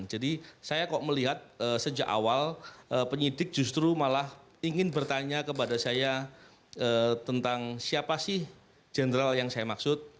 jadi saya kok melihat sejak awal penyidik justru malah ingin bertanya kepada saya tentang siapa sih general yang saya maksud